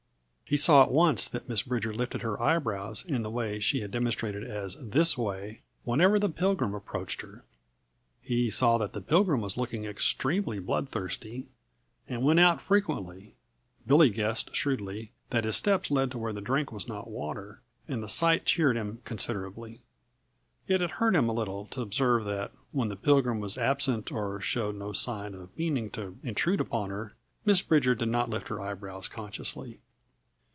He saw at once that Miss Bridger lifted her eyebrows in the way she had demonstrated as this way, whenever the Pilgrim approached her. He saw that the Pilgrim was looking extremely bloodthirsty and went out frequently Billy guessed shrewdly that his steps led to where the drink was not water and the sight cheered him considerably. Yet it hurt him a little to observe that, when the Pilgrim was absent or showed no sign of meaning to intrude upon her, Miss Bridger did not lift her eyebrows consciously.